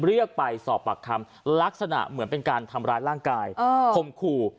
เรียกไปสอบปากคำลักษณะเหมือนเป็นการทำร้ายร่างกายคมขู่